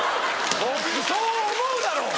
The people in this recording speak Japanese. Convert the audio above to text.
そう思うだろ！